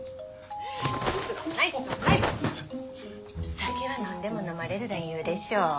酒は飲んでも飲まれるな言うでしょう。